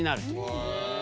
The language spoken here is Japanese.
へえ。